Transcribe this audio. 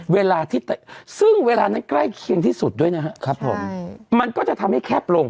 เวลาที่เตะซึ่งเวลานั้นใกล้เคียงที่สุดด้วยนะครับผมมันก็จะทำให้แคบลง